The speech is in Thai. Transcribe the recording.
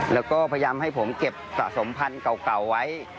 แล้วก็พยายามให้ผมเก็บสะสมพันธุ์เก่าไว้